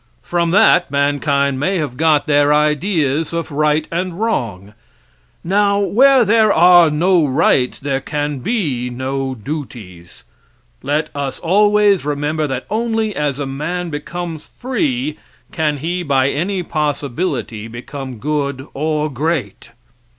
From that mankind may have got their ideas of right and wrong. Now, where there are no rights there can be no duties. Let us always remember that only as a man becomes free can he by any possibility become good or great.